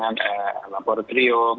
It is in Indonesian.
ya dengan laboratorium